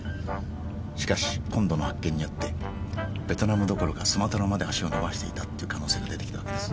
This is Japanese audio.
しかし今度の発見によって「ベトナムどころかスマトラまで足を伸ばしていた」っていう可能性が出てきたわけです。